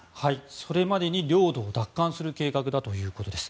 それまでに領土を奪還する計画だということです。